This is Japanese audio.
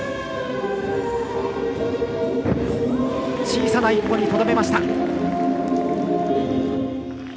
小さな１歩にとどめました。